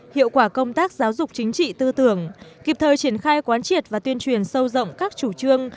hiệu quả công tác giáo dục chính trị tư tưởng kịp thời triển khai quán triệt và tuyên truyền sâu rộng các chủ trương